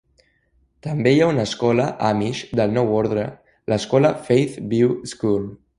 També hi ha una escola amish del Nou Orde, l'escola Faith View School.